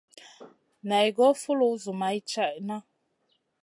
Naï goy foulou zoumay tchaïna.